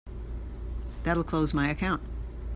That'll close my account.